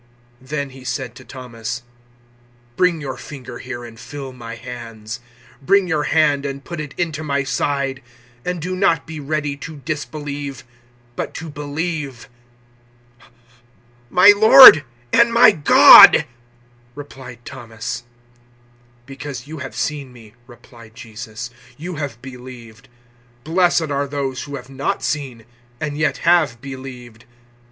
020:027 Then He said to Thomas, "Bring your finger here and feel my hands; bring you hand and put it into my side; and do not be ready to disbelieve but to believe." 020:028 "My Lord and my God!" replied Thomas. 020:029 "Because you have seen me," replied Jesus, "you have believed. Blessed are those who have not seen and yet have believed."